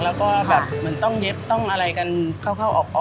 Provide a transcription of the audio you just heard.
แล้วก็แบบเหมือนต้องเย็บต้องอะไรกันเข้าออกออก